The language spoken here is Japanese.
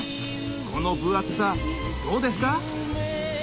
この分厚さどうですか？